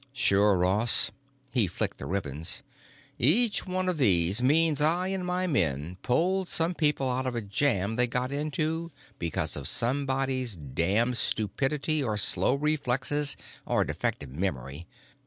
"Sure, Ross." He flicked the ribbons. "Each one of these means I and my men pulled some people out of a jam they got into because of somebody's damned stupidity or slow reflexes or defective memory.